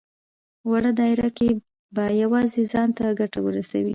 وړه دايره کې به يوازې ځان ته ګټه ورسوي.